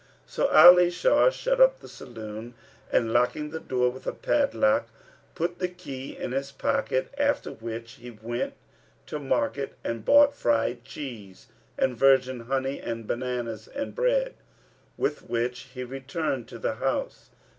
So Ali Shar shut up the saloon and, locking the door with a padlock, put the key in his pocket: after which he went to market and bought fried cheese and virgin honey and bananas[FN#288] and bread, with which he returned to the house.